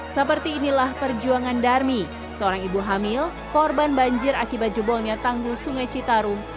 seperti inilah perjuangan darmi seorang ibu hamil korban banjir akibat jebolnya tanggul sungai citarum